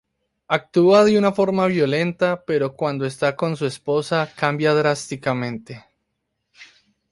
Actúa de una forma violenta pero cuando esta con su esposa cambia drásticamente.